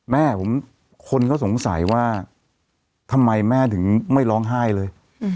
แม่ผมคนก็สงสัยว่าทำไมแม่ถึงไม่ร้องไห้เลย